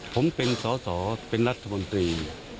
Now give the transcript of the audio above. ผมเป็นสอสอเป็นรัฐมนตรี